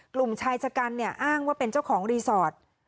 กลุ่มชายชะกันเนี่ยอ้างว่าเป็นเจ้าของรีสอร์ท